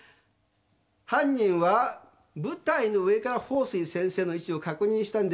犯人は舞台の上から鳳水先生の位置を確認したんです。